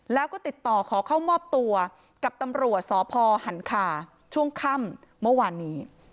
แล้วก็ติดต่อขอเข้ามอบตัวกับตำรวจสพหันคาช่วงค่ำเมื่อวานนี้